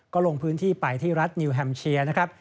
ก็ลงพื้นที่ไปที่รัฐนิวแฮมเชียนะครับ